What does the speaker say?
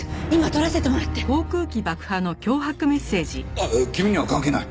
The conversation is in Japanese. あっ君には関係ない。